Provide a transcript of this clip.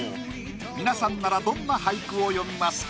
皆さんならどんな俳句を詠みますか？